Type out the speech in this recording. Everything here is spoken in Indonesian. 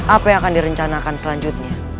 apa yang akan direncanakan selanjutnya